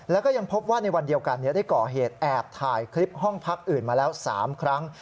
แล้วก็ยังพบว่าในวันเดียวกันได้ก่อเหตุแอบถ่ายคลิปห้องพักอื่นมาแล้ว๓ครั้ง